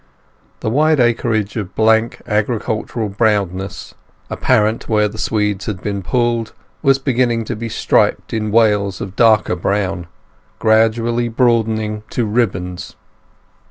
The wide acreage of blank agricultural brownness, apparent where the swedes had been pulled, was beginning to be striped in wales of darker brown, gradually broadening to ribands.